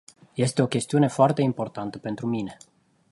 Este o chestiune foarte importantă pentru mine.